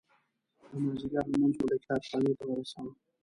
د مازدیګر لمونځ مو د کتاب خانې ته ورساوه.